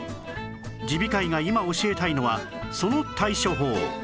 耳鼻科医が今教えたいのはその対処法